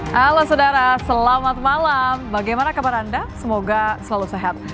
halo saudara selamat malam bagaimana kabar anda semoga selalu sehat